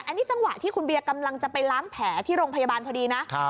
อันนี้จังหวะที่คุณเบียกำลังจะไปล้างแผลที่โรงพยาบาลพอดีนะ